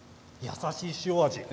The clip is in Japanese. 優しい塩味。